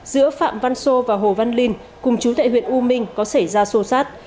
giữa phạm văn sô và hồ văn linh cùng chú tại huyện u minh có xảy ra xô xát